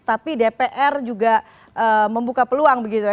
tapi dpr juga membuka peluang begitu ya